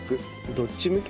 どっち向き？